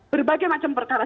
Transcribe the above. berbagai macam perkara